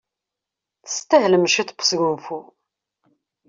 Testahlem ciṭṭ n wesgunfu.